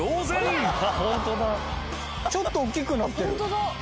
・ちょっとおっきくなってる。